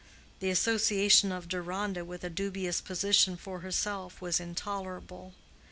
The association of Deronda with a dubious position for herself was intolerable.